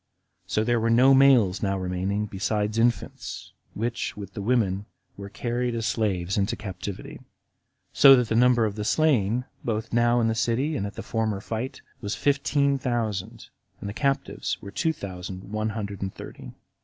So there were no males now remaining, besides infants, which, with the women, were carried as slaves into captivity; so that the number of the slain, both now in the city and at the former fight, was fifteen thousand, and the captives were two thousand one hundred and thirty.